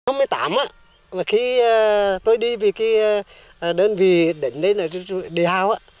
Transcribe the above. năm một mươi tám khi tôi đi về cái đơn vị đỉnh đây là đi hào